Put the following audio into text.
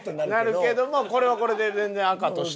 なるけどもこれはこれで全然赤として。